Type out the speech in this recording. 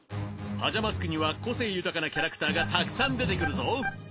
パジャマスクには個性豊かなキャラクターがたくさん出てくるぞ。